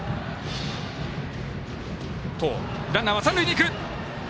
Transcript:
ランナーは三塁へ行く。